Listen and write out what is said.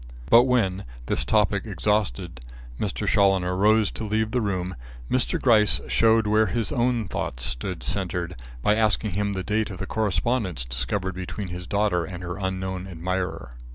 But when, this topic exhausted, Mr. Challoner rose to leave the room, Mr. Gryce showed where his own thoughts still centred, by asking him the date of the correspondence discovered between his daughter and her unknown admirer.